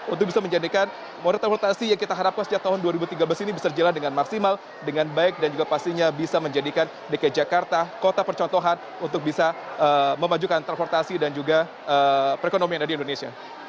untuk bisa menjadikan moda transportasi yang kita harapkan sejak tahun dua ribu tiga belas ini bisa jalan dengan maksimal dengan baik dan juga pastinya bisa menjadikan dki jakarta kota percontohan untuk bisa memajukan transportasi dan juga perekonomian di indonesia